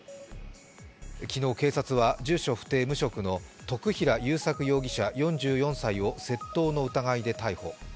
昨日、警察は住所不定・無職の徳平祐索容疑者４４歳を窃盗の疑いで逮捕。